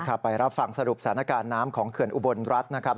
ไปรับฟังสรุปสถานการณ์น้ำของเขื่อนอุบลรัฐนะครับ